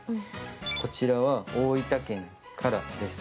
こちらは大分県からです。